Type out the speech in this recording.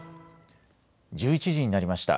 １１時になりました。